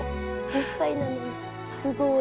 １０歳なのにすごい。